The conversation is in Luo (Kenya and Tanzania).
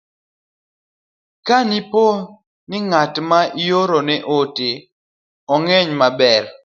Kapo ni ng'at ma iorone ote ong'eyi maber,